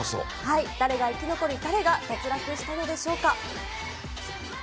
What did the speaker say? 誰が生き残り、誰が脱落したのでしょうか。